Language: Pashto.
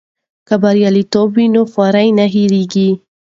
که بریالیتوب وي نو خواري نه هېریږي.